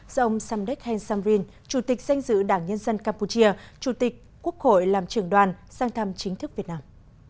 do ông samdek heng samrin chủ tịch danh dự đảng nhân dân campuchia chủ tịch quốc hội làm trưởng đoàn sang thăm chính thức việt nam